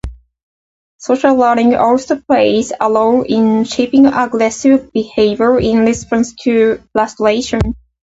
Social learning also plays a role in shaping aggressive behavior in response to frustration.